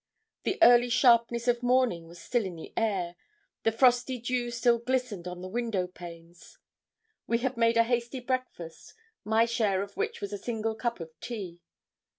The early sharpness of morning was still in the air; the frosty dew still glistened on the window panes. We had made a hasty breakfast, my share of which was a single cup of tea.